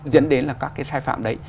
dẫn đến là các cái sai phạm đấy